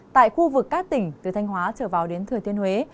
tại khu vực các tỉnh từ thanh hóa trở vào đến thừa thiên huế